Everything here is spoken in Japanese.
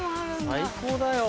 最高だよ。